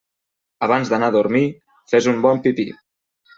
Abans d'anar a dormir, fes un bon pipí.